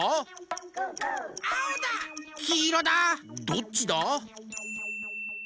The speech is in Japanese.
「どっちだ？」